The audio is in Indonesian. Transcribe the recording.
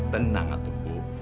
tenanglah tuh bu